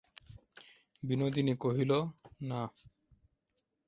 বিনোদিনী কহিল, না।